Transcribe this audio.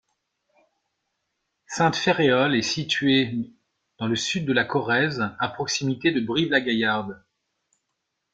Sainte-Féréole est situé dans le sud de la Corrèze à proximité de Brive-La-Gaillarde.